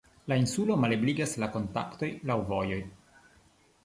La insulo malebligas la kontaktojn laŭ vojoj.